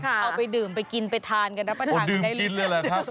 เอาไปดื่มไปกินไปทานกันนะประถังได้เลยดื่มกินเลยหรอครับ